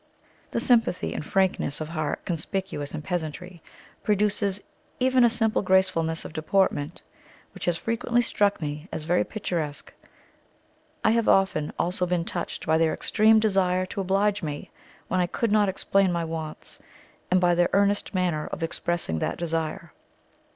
The sympathy and frankness of heart conspicuous in the peasantry produces even a simple gracefulness of deportment which has frequently struck me as very picturesque; I have often also been touched by their extreme desire to oblige me, when I could not explain my wants, and by their earnest manner of expressing that desire.